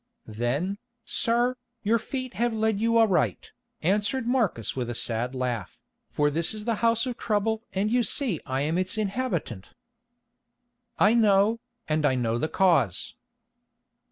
"Then, sir, your feet have led you aright," answered Marcus with a sad laugh, "for this is the house of trouble and you see I am its inhabitant." "I know, and I know the cause."